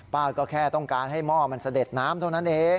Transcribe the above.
ป้าก็แค่ต้องการให้หม้อมันเสด็จน้ำเท่านั้นเอง